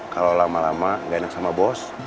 kalau lama lama gak enak sama bos